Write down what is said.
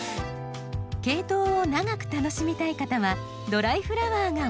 ケイトウを長く楽しみたい方はドライフラワーがおすすめ。